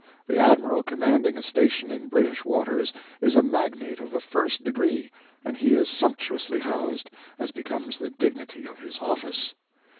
The Admiral commanding a station in British waters is a magnate of the first degree, and he is sumptuously housed, as becomes the dignity of his office.